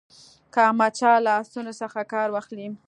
که احمدشاه له آسونو څخه کار واخلي.